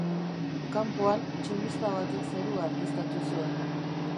Kanpoan, tximista batek zerua argiztatu zuen.